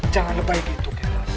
jangan lebih baik gitu